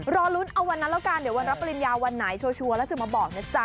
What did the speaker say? รอลุ้นเอาวันนั้นแล้วกันเดี๋ยววันรับปริญญาวันไหนชัวร์แล้วจะมาบอกนะจ๊ะ